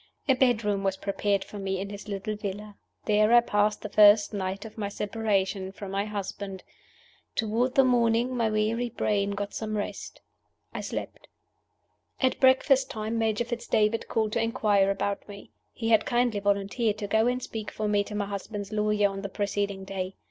A bedroom was prepared for me in his little villa. There I passed the first night of my separation from my husband. Toward the morning my weary brain got some rest I slept. At breakfast time Major Fitz David called to inquire about me. He had kindly volunteered to go and speak for me to my husband's lawyers on the preceding day.